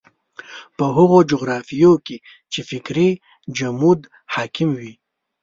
په هغو جغرافیو کې چې فکري جمود حاکم وي.